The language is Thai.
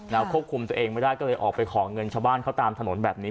แล้วควบคุมตัวเองไม่ได้ก็เลยออกไปขอเงินชาวบ้านเขาตามถนนแบบนี้